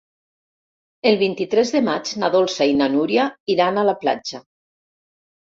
El vint-i-tres de maig na Dolça i na Núria iran a la platja.